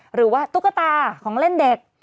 หรือว่าตุ๊กตาของเล่นเด็ก